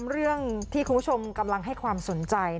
เรื่องที่คุณผู้ชมกำลังให้ความสนใจ